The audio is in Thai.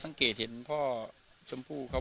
วันนี้ก็จะเป็นสวัสดีครับ